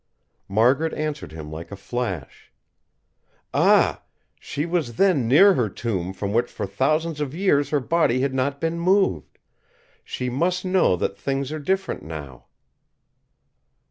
Margaret answered him like a flash: "Ah! she was then near her tomb from which for thousands of years her body had not been moved. She must know that things are different now."